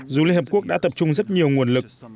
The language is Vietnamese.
dù liên hợp quốc đã tập trung rất nhiều nguồn lực